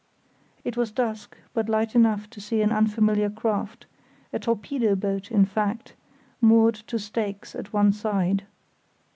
It was dusk, but light enough to see an unfamiliar craft, a torpedo boat in fact, moored to stakes at one side.